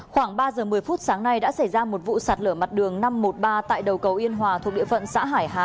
khoảng ba giờ một mươi phút sáng nay đã xảy ra một vụ sạt lở mặt đường năm trăm một mươi ba tại đầu cầu yên hòa thuộc địa phận xã hải hà